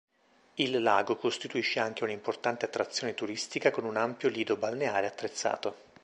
Il lago costituisce anche una importante attrazione turistica con un ampio lido balneare attrezzato.